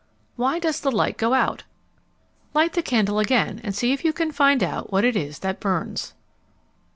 _ Why does the light go out? _Light the candle again and see if you can find out what it is that burns.